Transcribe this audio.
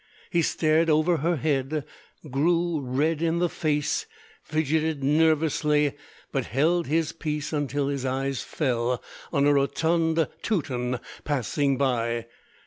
He stared over her head, grew red in the face, fidgeted nervously, but held his peace until his eyes fell on a rotund Teuton passing by.